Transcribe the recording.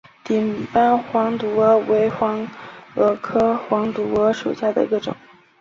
顶斑黄毒蛾为毒蛾科黄毒蛾属下的一个种。